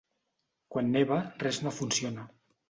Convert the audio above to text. Quan neva, res no funciona.